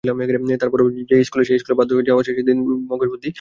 তার পরও যাও সেই ইশকুলে, বাধ্য হয়ে যাওয়াদিনের শেষে জ্ঞান-বুদ্ধি মগজ থেকে হাওয়া।